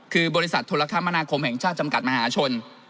คือบริษัทโทรคมนาคมแห่งชาติจำกัดมหาชน